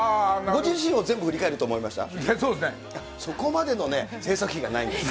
ご自身を全部振り返ると思いました？